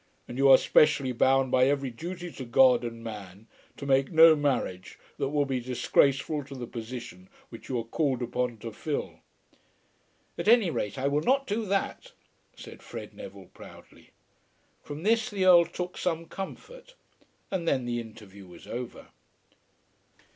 "And you are specially bound by every duty to God and man to make no marriage that will be disgraceful to the position which you are called upon to fill." "At any rate I will not do that," said Fred Neville proudly. From this the Earl took some comfort, and then the interview was over.